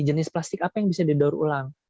jenis plastik apa yang bisa didaur ulang